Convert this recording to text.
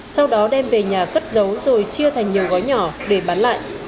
sau đó đem về nhà cất giấu rồi chia thành nhiều gói nhỏ để bán lại